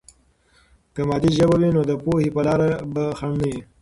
که مادي ژبه وي، نو د پوهې په لاره به خنډ نه وي.